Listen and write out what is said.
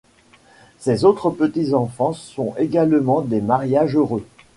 Ses autres petits-enfants font également des mariages heureux.